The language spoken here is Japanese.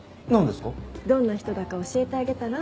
どんな人だか教えてあげたら？